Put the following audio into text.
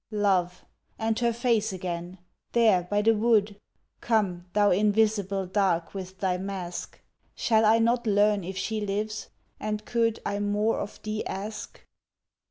Love, and her face again! there by the wood! Come, thou invisible Dark with thy mask! Shall I not learn if she lives? and could I more of thee ask?...